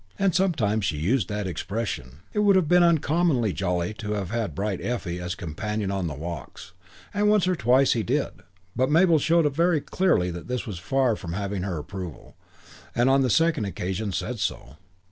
And sometimes she used that expression. It would have been uncommonly jolly to have had Bright Effie as companion on the walks, and once or twice he did. But Mabel showed very clearly that this was very far from having her approval and on the second occasion said so.